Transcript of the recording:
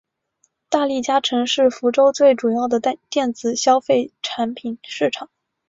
大利嘉城是福州最主要的电子消费产品市场。